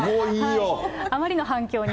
あまりの反響に。